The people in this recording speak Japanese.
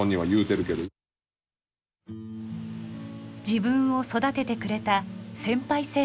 自分を育ててくれた先輩生産者。